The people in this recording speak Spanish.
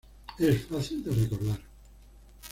Es fácil de recordar".